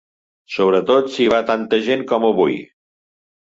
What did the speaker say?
Sobretot si hi va tanta gent com avui.